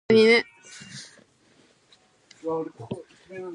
Eventually, Pogtopia was victorious, and Manberg fell.